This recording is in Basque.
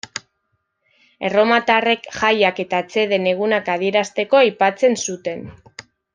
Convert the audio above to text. Erromatarrek jaiak eta atseden egunak adierazteko aipatzen zuten.